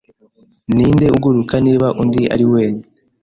Ninde uguruka niba undi Aar wenyine